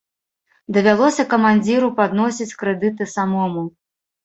Давялося камандзіру падносіць крэдыты самому.